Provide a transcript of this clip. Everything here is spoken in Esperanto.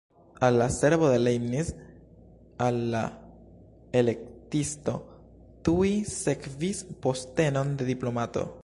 Al la servo de Leibniz al la Elektisto tuj sekvis postenon de diplomato.